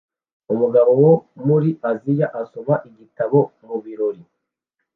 Umugabo wo muri Aziya asoma igitabo mubirori